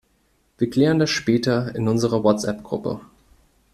Wir klären das später in unserer WhatsApp-Gruppe.